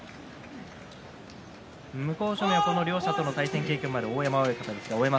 向正面、この両者との対戦経験がある大山親方です。